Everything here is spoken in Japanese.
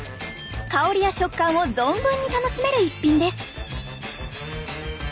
香りや食感を存分に楽しめる一品です！